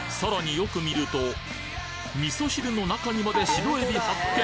よく見ると味噌汁の中にまで白えび発見！